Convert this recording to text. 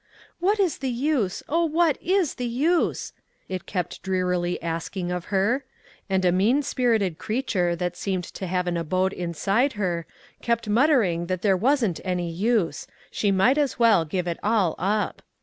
" What is the use? Oh, what is the use? " it kept drearily asking of her ; and a mean spir ited creature, that seemed to have an abode in side her, kept muttering that there wasn't any use ; she might as well give it all up.